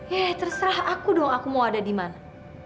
yeh terserah aku dong aku mau ada di mana